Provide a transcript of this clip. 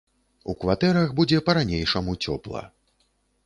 У кватэрах будзе па-ранейшаму цёпла.